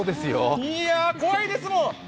いや、怖いですもん。